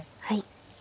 はい。